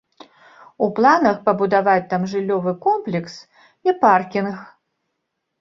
У планах пабудаваць там жыллёвы комплекс і паркінг.